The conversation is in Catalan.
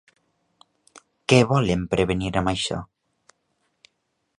Què volen prevenir amb això?